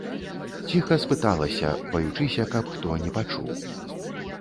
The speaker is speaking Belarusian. Ціха спыталася, баючыся, каб хто не пачуў.